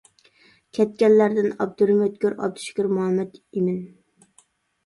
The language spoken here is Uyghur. كەتكەنلەردىن ئابدۇرېھىم ئۆتكۈر، ئابدۇشۈكۈر مۇھەممەت ئىمىن.